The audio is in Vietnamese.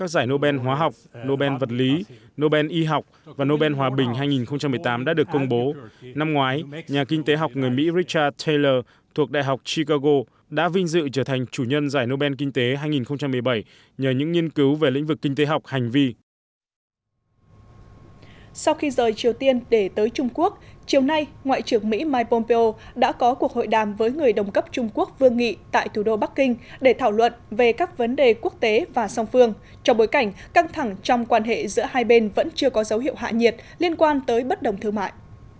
sau khi rời triều tiên để tới trung quốc chiều nay ngoại trưởng mỹ mike pompeo đã có cuộc hội đàm với người đồng cấp trung quốc vương nghị tại thủ đô bắc kinh để thảo luận về các vấn đề quốc tế và song phương trong bối cảnh căng thẳng trong quan hệ giữa hai bên vẫn chưa có dấu hiệu hạ nhiệt liên quan tới bất đồng thương mại